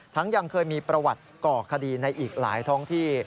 ยังเคยมีประวัติก่อคดีในอีกหลายท้องที่